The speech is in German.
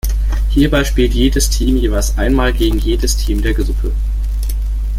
Hierbei spielt jedes Team jeweils einmal gegen jedes Team der Gruppe.